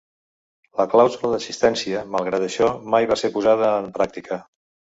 La clàusula d'assistència, malgrat això, mai va ser posada en pràctica.